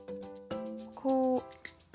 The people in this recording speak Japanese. こう。